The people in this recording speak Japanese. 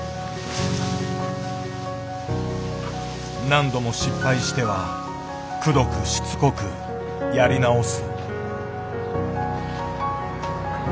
何度も失敗してはくどくしつこくやり直す。